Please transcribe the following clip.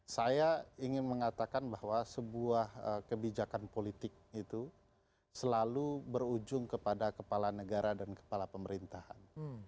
saya ingin mengatakan bahwa sebuah kebijakan politik itu selalu berujung kepada kepala negara dan kepala pemerintahan